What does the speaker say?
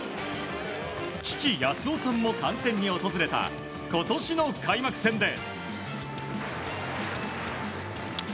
父・八寿男さんも観戦に訪れた今年の開幕戦で。